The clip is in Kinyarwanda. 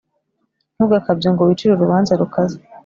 Ntugakabye ngo wicire urubanza rukaze,